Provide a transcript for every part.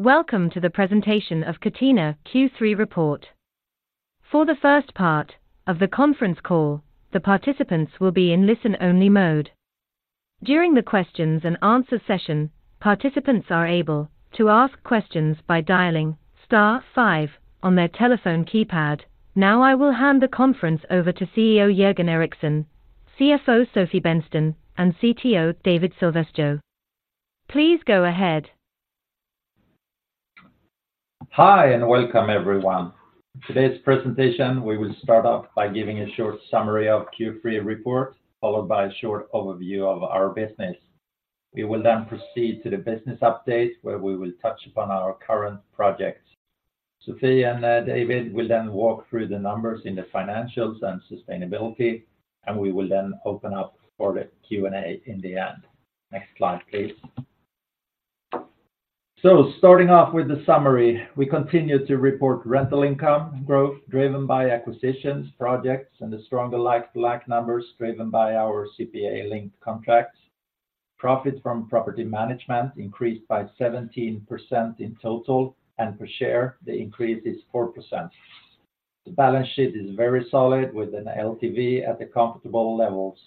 Welcome to the presentation of Catena Q3 report. For the first part of the conference call, the participants will be in listen-only mode. During the questions and answer session, participants are able to ask questions by dialing star five on their telephone keypad. Now, I will hand the conference over to CEO Jörgen Eriksson, CFO Sofie Bennsten, and Chief Treasury Officer David Silvesjö. Please go ahead. Hi, and welcome everyone. Today's presentation, we will start off by giving a short summary of Q3 report, followed by a short overview of our business. We will then proceed to the business update, where we will touch upon our current projects. Sofie and David will then walk through the numbers in the financials and sustainability, and we will then open up for the Q and A in the end. Next slide, please. So starting off with the summary, we continue to report rental income growth driven by acquisitions, projects, and the stronger like-for-like numbers driven by our CPI-linked contracts. Profit from property management increased by 17% in total, and per share, the increase is 4%. The balance sheet is very solid, with an LTV at the comfortable levels.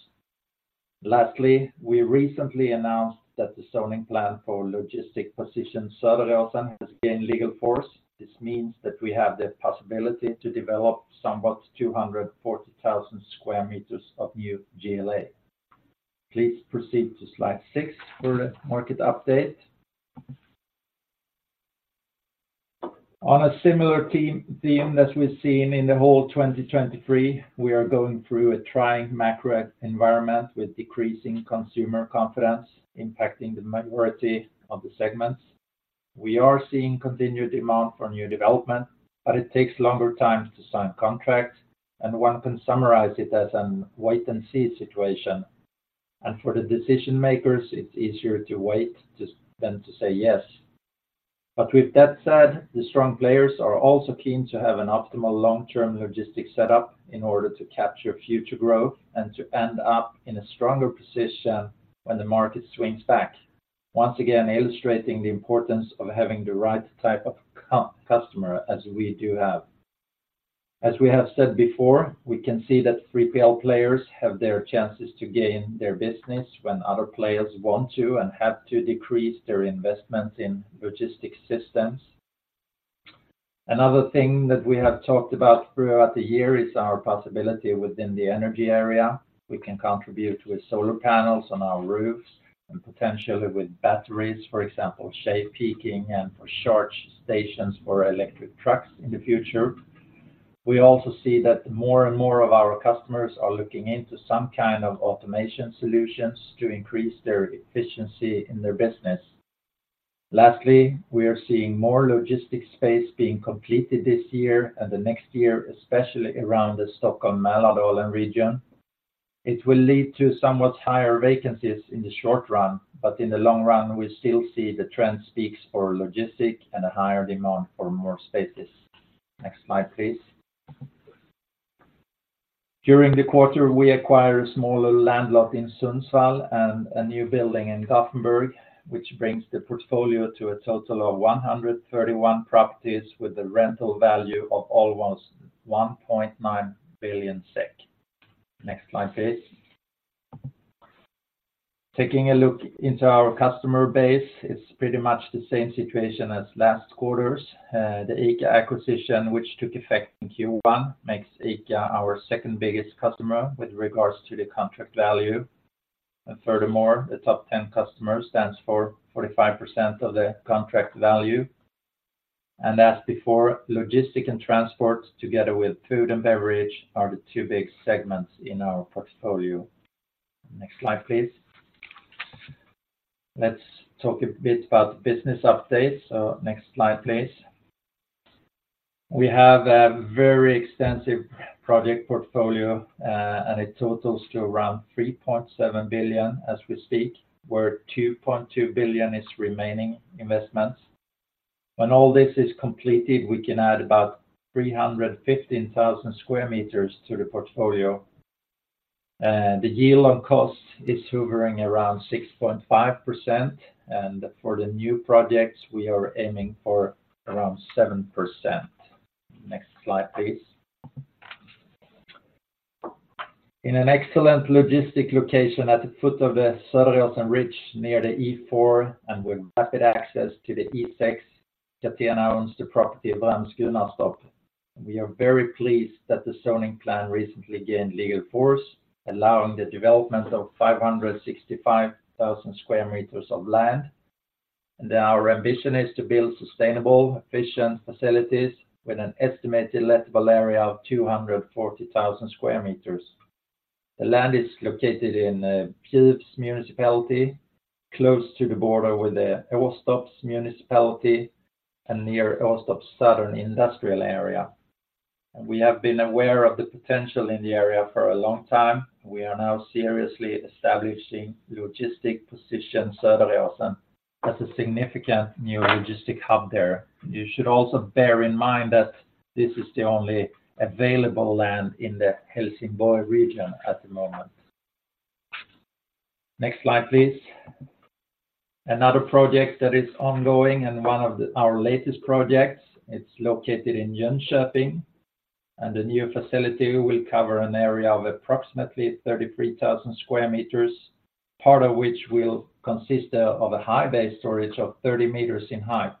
Lastly, we recently announced that the zoning plan for Logistikposition Söderåsen has gained legal force. This means that we have the possibility to develop somewhat 240,000 square meters of new GLA. Please proceed to slide six for the market update. On a similar theme as we've seen in the whole 2023, we are going through a trying macro environment, with decreasing consumer confidence impacting the majority of the segments. We are seeing continued demand for new development, but it takes longer time to sign contracts, and one can summarize it as a wait-and-see situation. For the decision-makers, it's easier to wait just than to say yes. But with that said, the strong players are also keen to have an optimal long-term logistics setup in order to capture future growth and to end up in a stronger position when the market swings back. Once again, illustrating the importance of having the right type of customer, as we do have. As we have said before, we can see that 3PL players have their chances to gain their business when other players want to and have to decrease their investment in logistics systems. Another thing that we have talked about throughout the year is our possibility within the energy area. We can contribute with solar panels on our roofs and potentially with batteries, for example, peak shaving and for charge stations for electric trucks in the future. We also see that more and more of our customers are looking into some kind of automation solutions to increase their efficiency in their business. Lastly, we are seeing more logistics space being completed this year and the next year, especially around the Stockholm–Mälardalen region. It will lead to somewhat higher vacancies in the short run, but in the long run, we still see the trend speaks for logistic and a higher demand for more spaces. Next slide, please. During the quarter, we acquired a smaller land lot in Sundsvall and a new building in Gothenburg, which brings the portfolio to a total of 131 properties, with a rental value of almost 1.9 billion SEK. Next slide, please. Taking a look into our customer base, it's pretty much the same situation as last quarters. The ICA acquisition, which took effect in Q1, makes ICA our second-biggest customer with regards to the contract value. And furthermore, the top ten customers stands for 45% of the contract value. And as before, logistic and transport, together with food and beverage, are the two big segments in our portfolio. Next slide, please. Let's talk a bit about the business update. Next slide, please. We have a very extensive project portfolio, and it totals to around 3.7 billion as we speak, where 2.2 billion is remaining investments. When all this is completed, we can add about 315,000 square meters to the portfolio. The yield on cost is hovering around 6.5%, and for the new projects, we are aiming for around 7%. Next slide, please. In an excellent logistic location at the foot of the Söderåsen Ridge, near the E4 and with rapid access to the E6, Catena owns the property Vrams Gunnarstorp. We are very pleased that the zoning plan recently gained legal force, allowing the development of 565,000 square meters of land. Our ambition is to build sustainable, efficient facilities with an estimated lettable area of 240,000 square meters. The land is located in Bjuv Municipality, close to the border with the Åstorp Municipality and near Åstorp Southern Industrial Area. We have been aware of the potential in the area for a long time. We are now seriously establishing Logistikposition Söderåsen as a significant new logistic hub there. You should also bear in mind that this is the only available land in the Helsingborg region at the moment. Next slide, please. Another project that is ongoing and one of our latest projects, it's located in Jönköping, and the new facility will cover an area of approximately 33,000 square meters, part of which will consist of a high bay storage of 30 meters in height.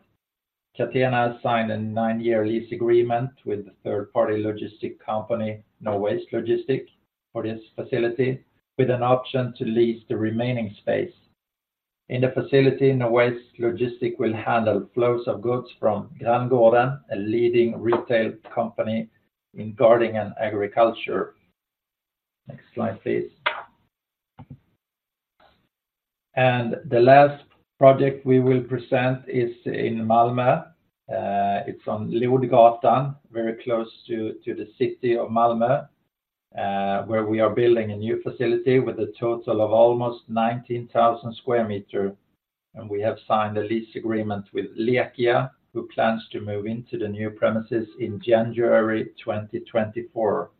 Catena has signed a nine-year lease agreement with the third-party logistics company, Nowaste Logistics, for this facility, with an option to lease the remaining space. In the facility, Nowaste Logistics will handle flows of goods from Granngården, a leading retail company in gardening and agriculture. Next slide, please. The last project we will present is in Malmö. It's on Lodgatan, very close to the city of Malmö, where we are building a new facility with a total of almost 19,000 square meters. And we have signed a lease agreement with Lekia, who plans to move into the new premises in January 2024,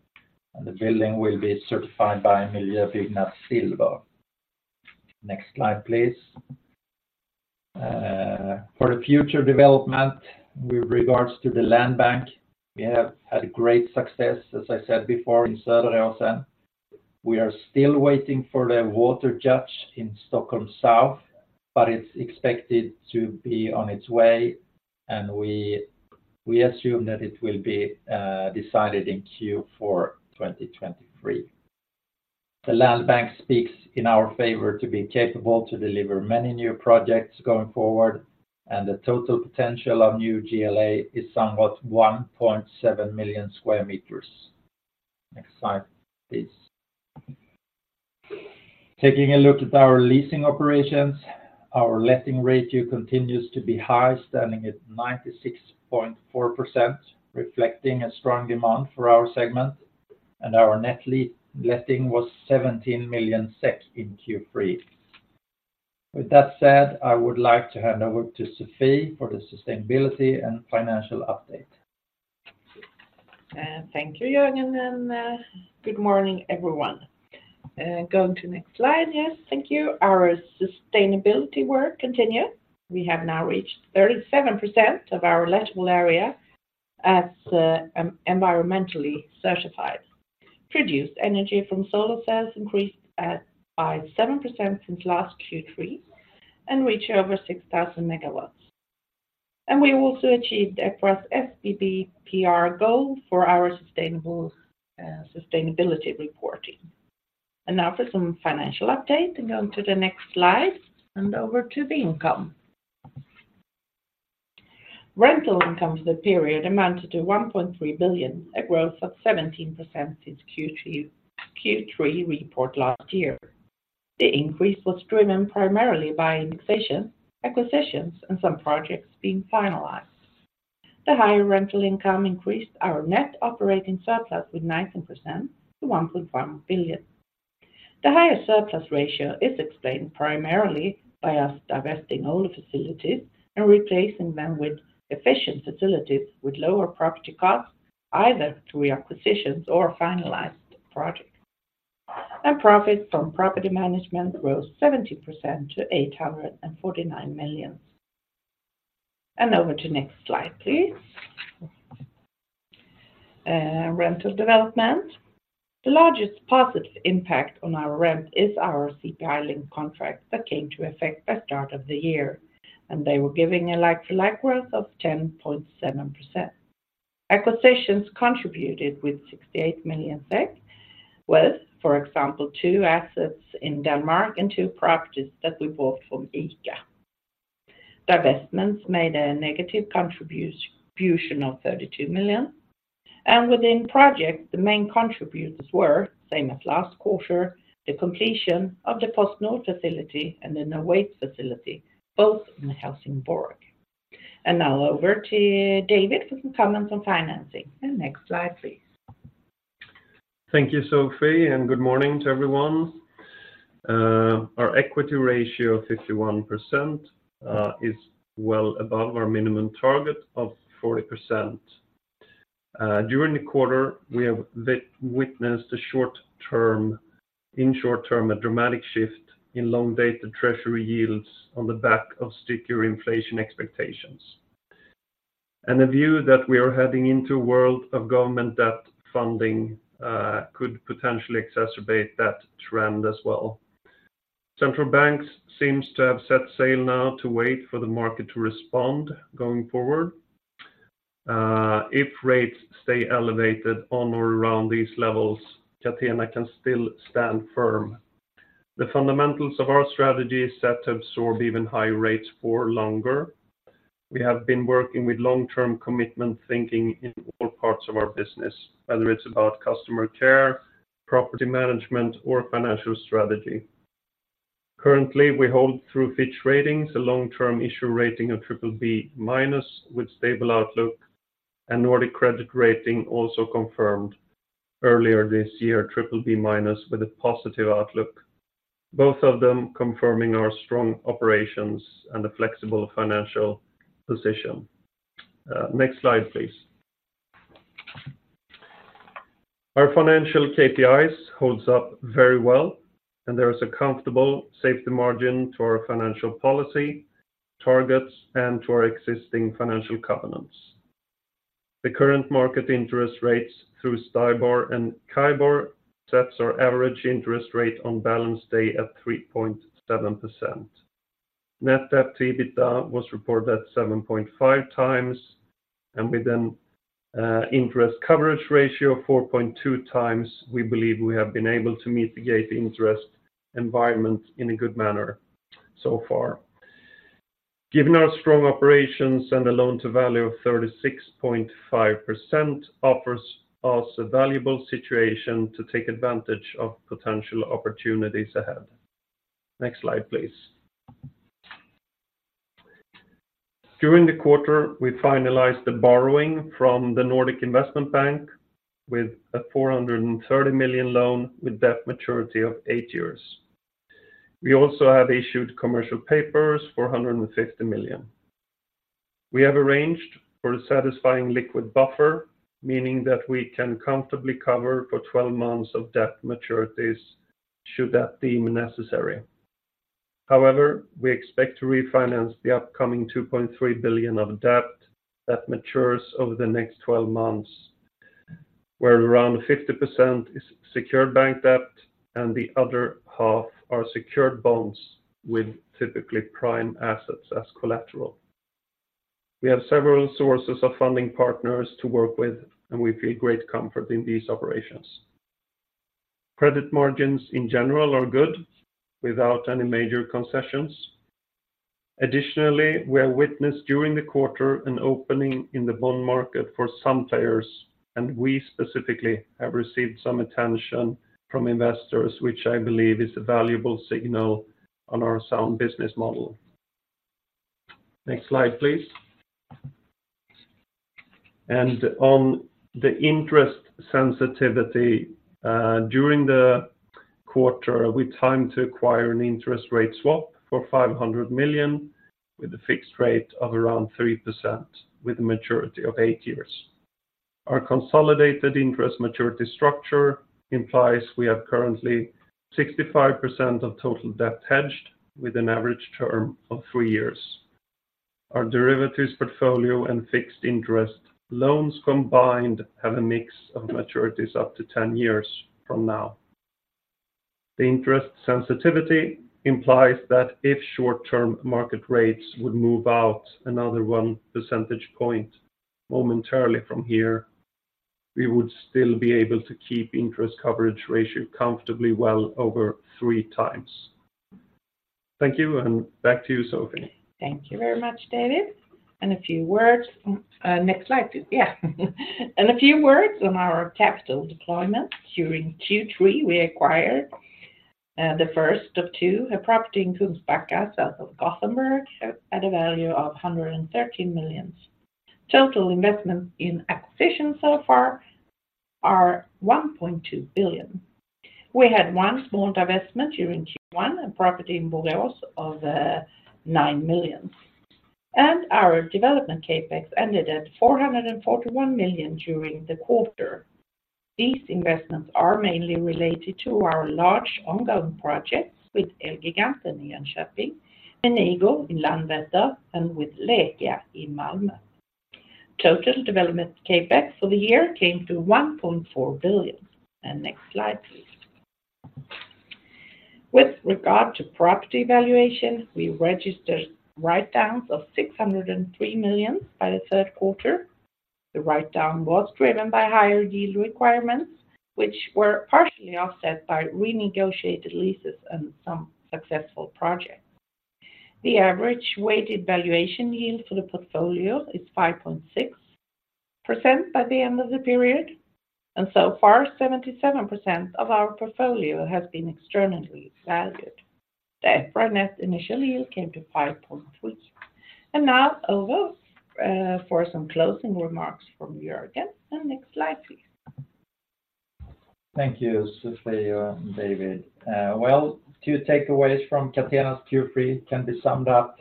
and the building will be certified by Miljöbyggnad Silver. Next slide, please. For the future development, with regards to the land bank, we have had great success, as I said before, in Södertälje. We are still waiting for the water judgment in Stockholm South, but it's expected to be on its way, and we assume that it will be decided in Q4 2023. The land bank speaks in our favor to be capable to deliver many new projects going forward, and the total potential of new GLA is somewhat 1.7 million square meters. Next slide, please. Taking a look at our leasing operations, our letting ratio continues to be high, standing at 96.4%, reflecting a strong demand for our segment, and our net letting was 17 million SEK in Q3. With that said, I would like to hand over to Sofie for the sustainability and financial update. Thank you, Jörgen, and good morning, everyone. Going to the next slide. Yes, thank you. Our sustainability work continue. We have now reached 37% of our lettable area as environmentally certified. Produced energy from solar cells increased by 7% since last Q3, and reach over 6,000 megawatts. We also achieved EPRA sBPR goal for our sustainable sustainability reporting. Now for some financial update, and go on to the next slide, and over to the income. Rental income for the period amounted to 1.3 billion, a growth of 17% since Q3, Q3 report last year. The increase was driven primarily by indexation, acquisitions, and some projects being finalized. The higher rental income increased our net operating surplus by 19% to 1.1 billion. The higher surplus ratio is explained primarily by us divesting older facilities and replacing them with efficient facilities with lower property costs, either through acquisitions or finalized projects. Profit from property management grows 70% to 849 million. Over to next slide, please. Rental development. The largest positive impact on our rent is our CPI link contract that came to effect by start of the year, and they were giving a like-for-like worth of 10.7%. Acquisitions contributed with 68 million SEK, with, for example, two assets in Denmark and two properties that we bought from ICA. Divestments made a negative contribution of 32 million, and within projects, the main contributors were, same as last quarter, the completion of the PostNord facility and the Nowaste facility, both in Helsingborg. And now over to David for some comments on financing. Next slide, please. Thank you, Sofie, and good morning to everyone. Our equity ratio of 51% is well above our minimum target of 40%. During the quarter, we have witnessed a short-term, in short term, a dramatic shift in long-dated treasury yields on the back of stickier inflation expectations. The view that we are heading into a world of government debt funding could potentially exacerbate that trend as well. Central banks seems to have set sail now to wait for the market to respond going forward. If rates stay elevated on or around these levels, Catena can still stand firm. The fundamentals of our strategy is set to absorb even higher rates for longer. We have been working with long-term commitment thinking in all parts of our business, whether it's about customer care, property management, or financial strategy. Currently, we hold through Fitch Ratings, a long-term issue rating of BBB- with stable outlook, and Nordic Credit Rating also confirmed earlier this year, BBB- with a positive outlook, both of them confirming our strong operations and a flexible financial position. Next slide, please. Our financial KPIs holds up very well, and there is a comfortable safety margin to our financial policy, targets, and to our existing financial covenants. The current market interest rates through STIBOR and CIBOR sets our average interest rate on balance day at 3.7%. Net debt to EBITDA was reported at 7.5x, and with an interest coverage ratio of 4.2x, we believe we have been able to mitigate the interest environment in a good manner so far. Given our strong operations and a loan-to-value of 36.5% offers us a valuable situation to take advantage of potential opportunities ahead. Next slide, please. During the quarter, we finalized the borrowing from the Nordic Investment Bank with a 430 million loan with debt maturity of eight years. We also have issued commercial papers for 150 million. We have arranged for a satisfying liquid buffer, meaning that we can comfortably cover for 12 months of debt maturities should that be necessary. However, we expect to refinance the upcoming 2.3 billion of debt that matures over the next 12 months, where around 50% is secured bank debt and the other half are secured bonds with typically prime assets as collateral. We have several sources of funding partners to work with, and we feel great comfort in these operations. Credit margins in general are good without any major concessions. Additionally, we have witnessed during the quarter an opening in the bond market for some payers, and we specifically have received some attention from investors, which I believe is a valuable signal on our sound business model. Next slide, please. On the interest sensitivity, during the quarter, we timed to acquire an interest rate swap for 500 million, with a fixed rate of around 3%, with a maturity of eight years. Our consolidated interest maturity structure implies we have currently 65% of total debt hedged with an average term of three years. Our derivatives portfolio and fixed interest loans combined have a mix of maturities up to 10 years from now. The interest sensitivity implies that if short-term market rates would move out another 1 percentage point momentarily from here, we would still be able to keep interest coverage ratio comfortably well over three times. Thank you, and back to you, Sofie. Thank you very much, David. And a few words, next slide, please. Yeah, and a few words on our capital deployment. During Q3, we acquired the first of two, a property in Kungsbacka, south of Gothenburg, at a value of 113 million. Total investment in acquisition so far are 1.2 billion. We had one small divestment during Q1, a property in Borås of 9 million. And our development CapEx ended at 441 million during the quarter. These investments are mainly related to our large ongoing projects with Elgiganten in Jönköping, Menigo in Landvetter, and with Lekia in Malmö. Total development CapEx for the year came to 1.4 billion. And next slide, please. With regard to property valuation, we registered write-downs of 603 million by the third quarter. The write-down was driven by higher yield requirements, which were partially offset by renegotiated leases and some successful projects. The average weighted valuation yield for the portfolio is 5.6% by the end of the period, and so far, 77% of our portfolio has been externally valued. The Fair net initial yield came to 5.3. And now over, for some closing remarks from Jörgen. Next slide, please. Thank you, Sofie and David. Well, two takeaways from Catena's Q3 can be summed up.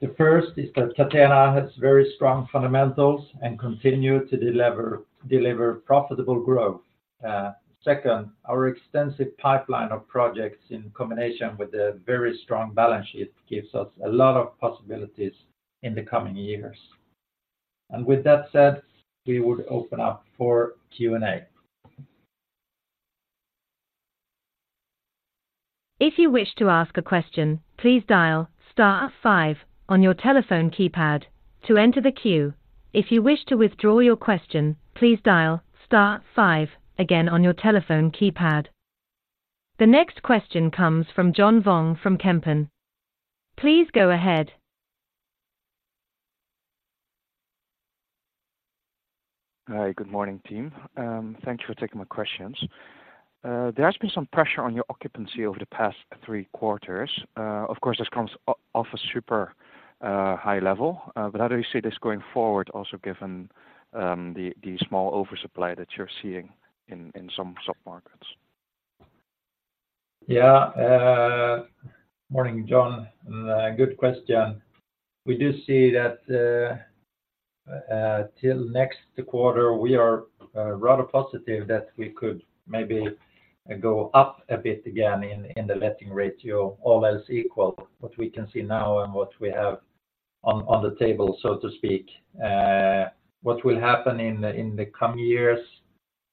The first is that Catena has very strong fundamentals and continue to deliver, deliver profitable growth. Second, our extensive pipeline of projects in combination with a very strong balance sheet, gives us a lot of possibilities in the coming years. And with that said, we would open up for Q and A. If you wish to ask a question, please dial star five on your telephone keypad to enter the queue. If you wish to withdraw your question, please dial star five again on your telephone keypad. The next question comes from John Vuong from Kempen. Please go ahead. Hi, good morning, team. Thanks for taking my questions. There has been some pressure on your occupancy over the past three quarters. Of course, this comes off a super high level, but how do you see this going forward, also given the small oversupply that you're seeing in some submarkets? Yeah, morning, John. Good question. We do see that till next quarter, we are rather positive that we could maybe go up a bit again in the letting ratio, all else equal, what we can see now and what we have on the table, so to speak. What will happen in the coming years?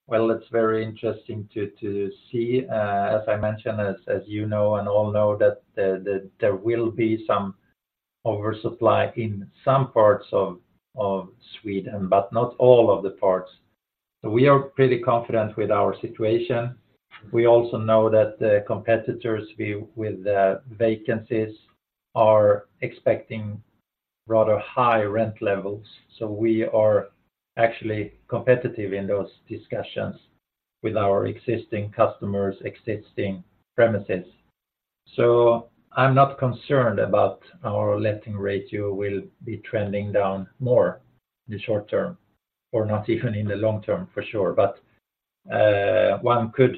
Well, it's very interesting to see. As I mentioned, as you know, and all know, that there will be some oversupply in some parts of Sweden, but not all of the parts. So we are pretty confident with our situation. We also know that the competitors with vacancies are expecting rather high rent levels, so we are actually competitive in those discussions with our existing customers, existing premises. I'm not concerned about our letting ratio will be trending down more in the short term, or not even in the long term, for sure. But, one could,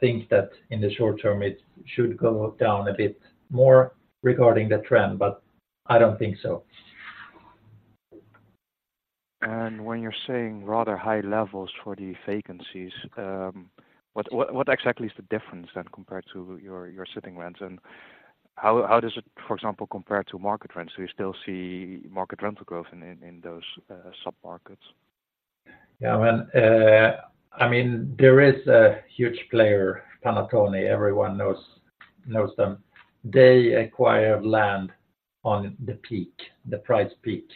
think that in the short term, it should go down a bit more regarding the trend, but I don't think so. When you're saying rather high levels for the vacancies, what exactly is the difference then compared to your sitting rents, and how does it, for example, compare to market rents? Do you still see market rental growth in those submarkets? Yeah, I mean, there is a huge player, Panattoni, everyone knows them. They acquire land on the peak, the price peak.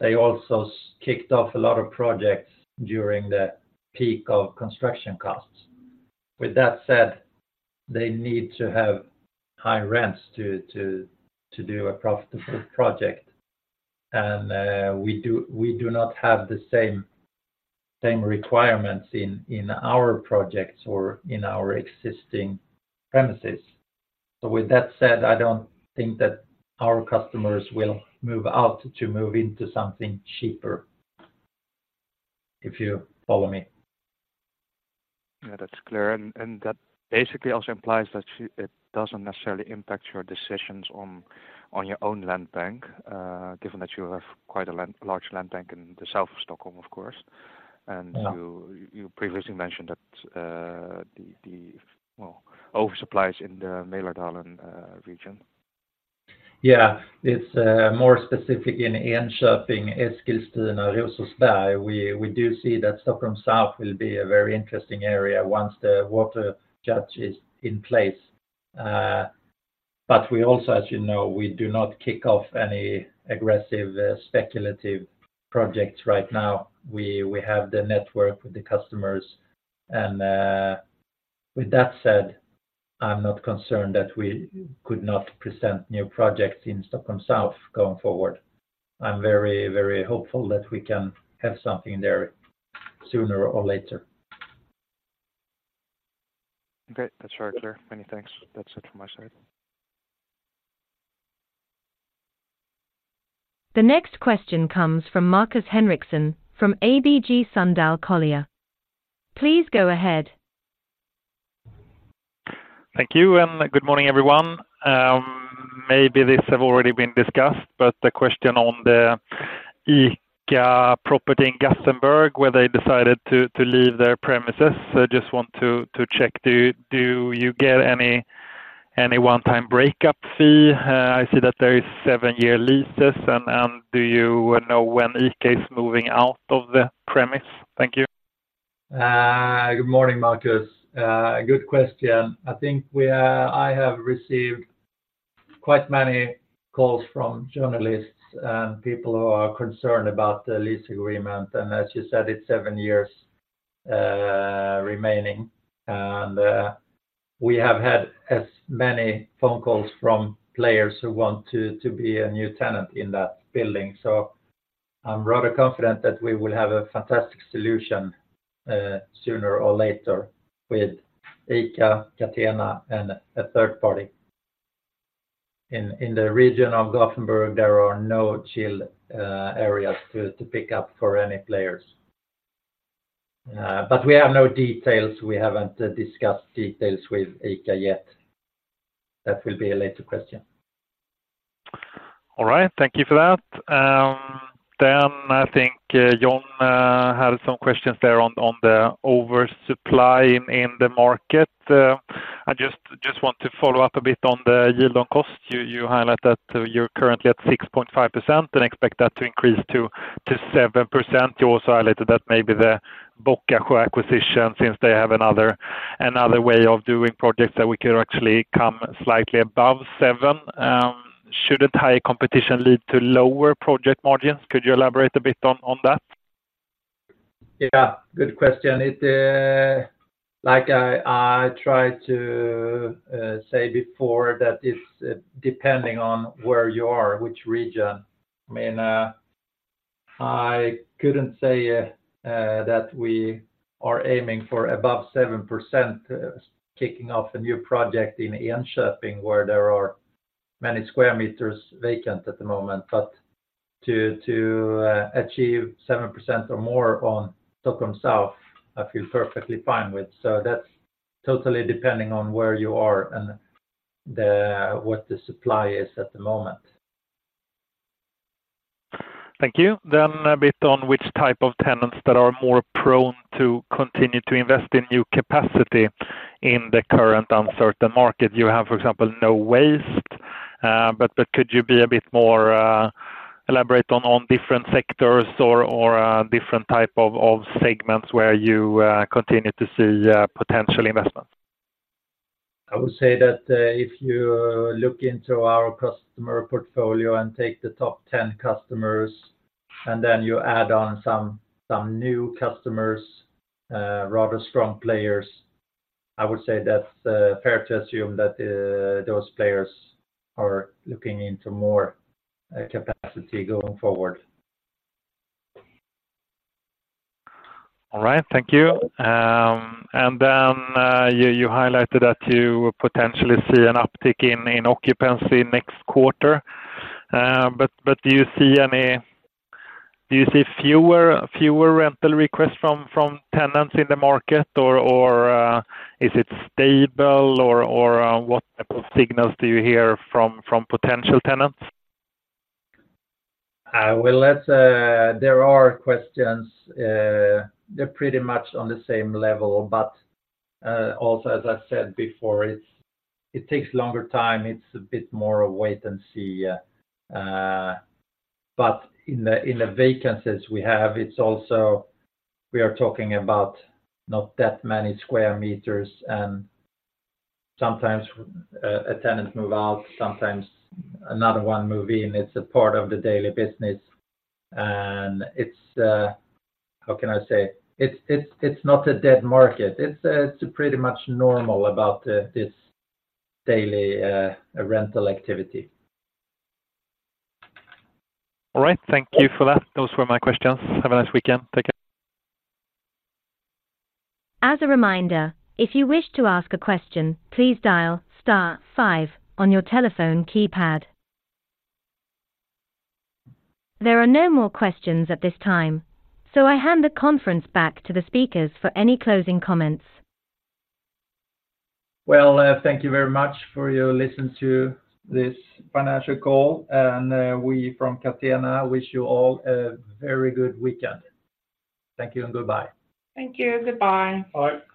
They also kicked off a lot of projects during the peak of construction costs. With that said, they need to have high rents to do a profitable project, and we do not have the same requirements in our projects or in our existing premises. So with that said, I don't think that our customers will move out to move into something cheaper. If you follow me. Yeah, that's clear. And that basically also implies that it doesn't necessarily impact your decisions on your own land bank, given that you have quite a large land bank in the south of Stockholm, of course. Yeah. You previously mentioned that, well, oversupply is in the Mälaren region. Yeah. It's more specific in Enköping, Eskilstuna, Rosersberg. We do see that Stockholm South will be a very interesting area once the legal judgment is in place. But we also, as you know, do not kick off any aggressive speculative projects right now. We have the network with the customers, and with that said, I'm not concerned that we could not present new projects in Stockholm South going forward. I'm very, very hopeful that we can have something there sooner or later. Okay. That's very clear. Many thanks. That's it from my side. The next question comes from Marcus Henriksson, from ABG Sundal Collier. Please go ahead. Thank you, and good morning, everyone. Maybe this has already been discussed, but the question on the ICA property in Gothenburg, where they decided to leave their premises. I just want to check, do you get any one-time breakup fee? I see that there is seven-year leases. And do you know when ICA is moving out of the premise? Thank you. Good morning, Marcus. Good question. I think we, I have received quite many calls from journalists and people who are concerned about the lease agreement, and as you said, it's seven years remaining. And we have had as many phone calls from players who want to be a new tenant in that building. So I'm rather confident that we will have a fantastic solution sooner or later with ICA, Catena, and a third party. In the region of Gothenburg, there are no chill areas to pick up for any players. But we have no details. We haven't discussed details with ICA yet. That will be a later question. All right. Thank you for that. Then I think Jörgen had some questions there on, on the oversupply in, in the market. I just, just want to follow up a bit on the yield on cost. You, you highlight that you're currently at 6.5% and expect that to increase to, to 7%. You also highlighted that maybe the Bockasjö acquisition, since they have another, another way of doing projects, that we could actually come slightly above 7%. Should a higher competition lead to lower project margins? Could you elaborate a bit on, on that? Yeah, good question. It, like I tried to say before, that it's depending on where you are, which region. I mean, I couldn't say that we are aiming for above 7% kicking off a new project in Enköping, where there are many square meters vacant at the moment, but to achieve 7% or more on Stockholm South, I feel perfectly fine with. So that's totally depending on where you are and what the supply is at the moment. Thank you. Then a bit on which type of tenants that are more prone to continue to invest in new capacity in the current uncertain market. You have, for example, Nowaste, but could you be a bit more elaborate on different sectors or different type of segments where you continue to see potential investments? I would say that, if you look into our customer portfolio and take the top 10 customers, and then you add on some new customers, rather strong players, I would say that's fair to assume that those players are looking into more capacity going forward. All right. Thank you. And then you highlighted that you potentially see an uptick in occupancy next quarter. But do you see fewer rental requests from tenants in the market, or is it stable, or what type of signals do you hear from potential tenants? Well, there are questions. They're pretty much on the same level, but also, as I said before, it's, it takes longer time, it's a bit more a wait-and-see, but in the vacancies we have, it's also we are talking about not that many square meters, and sometimes a tenant move out, sometimes another one move in. It's a part of the daily business, and it's, how can I say? It's not a dead market. It's pretty much normal about this daily rental activity. All right. Thank you for that. Those were my questions. Have a nice weekend. Take care. As a reminder, if you wish to ask a question, please dial star five on your telephone keypad. There are no more questions at this time, so I hand the conference back to the speakers for any closing comments. Well, thank you very much for your listen to this financial call, and, we from Catena wish you all a very good weekend. Thank you and goodbye. Thank you. Goodbye. Bye.